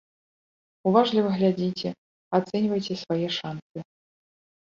Уважліва глядзіце, ацэньвайце свае шанцы.